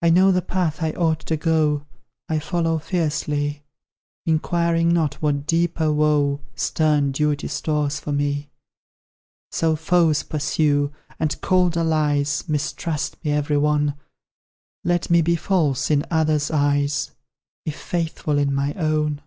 I know the path I ought to go I follow fearlessly, Inquiring not what deeper woe Stern duty stores for me. So foes pursue, and cold allies Mistrust me, every one: Let me be false in others' eyes, If faithful in my own.